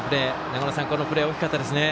長野さん、このプレー大きかったですね。